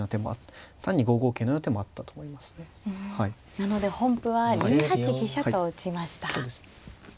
なので本譜は２八飛車と打ちました。